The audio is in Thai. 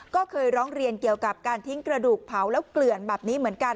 ก็เคยร้องเรียนเกี่ยวกับการทิ้งกระดูกเผาแล้วเกลื่อนแบบนี้เหมือนกัน